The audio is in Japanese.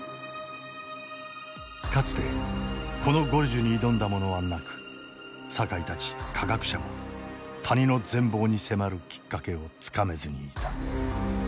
かつてこのゴルジュに挑んだ者はなく酒井たち科学者も谷の全貌に迫るきっかけをつかめずにいた。